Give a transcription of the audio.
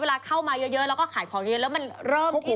เวลาเข้ามาเยอะแล้วก็ขายของเยอะแล้วมันเริ่มอีก